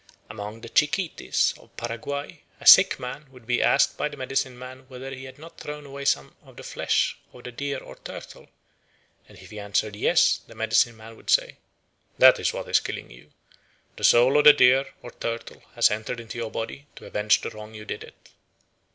Among the Chiquites of Paraguay a sick man would be asked by the medicine man whether he had not thrown away some of the flesh of the deer or turtle, and if he answered yes, the medicine man would say, "That is what is killing you. The soul of the deer or turtle has entered into your body to avenge the wrong you did it."